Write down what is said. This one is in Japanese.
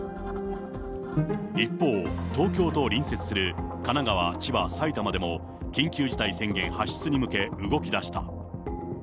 一方、東京と隣接する神奈川、千葉、埼玉でも緊急事態宣言発出に向け、動きだした。